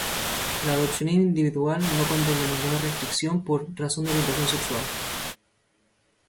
La adopción individual no contempla ninguna restricción por razón de orientación sexual.